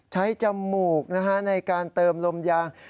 ใช้จมูกนะฮะในการเติมลมยาง